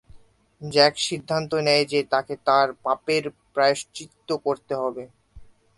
Jack সিদ্ধান্ত নেয় যে তাকে তার পাপের প্রায়শ্চিত্ত করতে হবে।